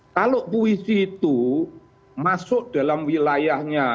kalau puisi itu masuk dalam wilayahnya